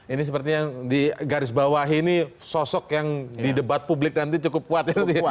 ini seperti yang digarisbawahi ini sosok yang di debat publik nanti cukup kuat ya